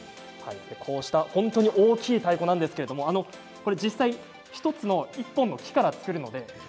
こうした本当に大きい太鼓なんですけれど実際に１つの１本の木から作られています。